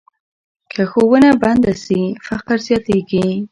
که ښوونه بنده سي، فقر زیاتېږي.